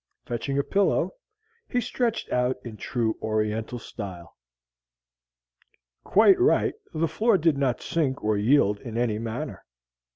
Fetching a pillow, he stretched out in true oriental style. Quite right, the floor did not sink or yield in any manner.